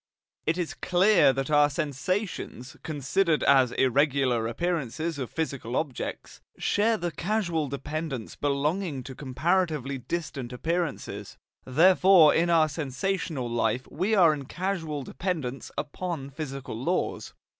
It is clear that our sensations, considered as irregular appearances of physical objects, share the causal dependence belonging to comparatively distant appearances; therefore in our sensational life we are in causal dependence upon physical laws.